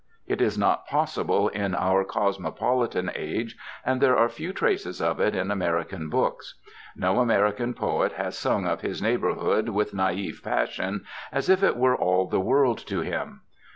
It is not possible in our cosmopolitan age and there are few traces of it in American books. No American poet has sung of his neighborhood with naïve passion, as if it were all the world to him.